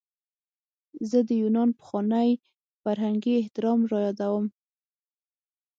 زه د یونان پخوانی فرهنګي احترام رایادوم.